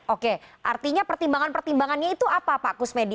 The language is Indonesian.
oke artinya pertimbangan pertimbangannya itu apa pak kusmedi